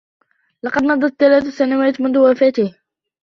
لقد مضت ثلاثة سنوات منذ وفاته.